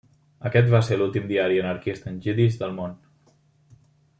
Aquest va ser l'últim diari anarquista en jiddisch del món.